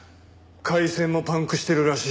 回線もパンクしてるらしい。